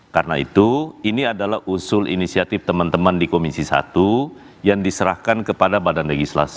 karena itu ini adalah usul inisiatif teman teman di komisi satu yang diserahkan kepada badan legislasi